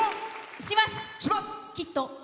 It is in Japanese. きっと。